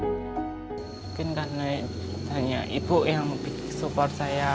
mungkin karena banyak ibu yang support saya